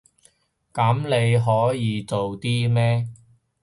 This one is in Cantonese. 噉你可以做啲咩？